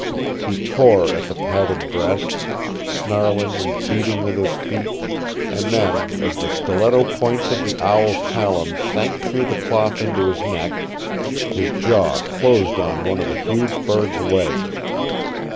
He tore at the padded breast, snarling and beating with his feet, and then, as the stiletto points of the owl's talons sank through the cloth into his neck, his jaws closed on one of the huge bird's legs.